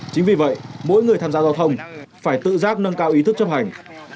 chính vì vậy mỗi người tham gia giao thông phải tự giác nâng cao ý thức chấp hành